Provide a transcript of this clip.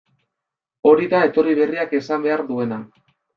Hori da etorri berriak esan behar duena.